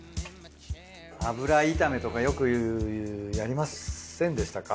油炒めとかよくやりませんでしたか？